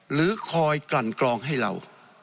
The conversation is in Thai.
หรือคอยกลั่นกรองให้เรา